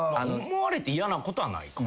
思われて嫌なことはないか。